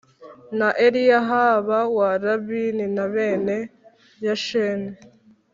na Eliyahaba wa labini na bene Yasheni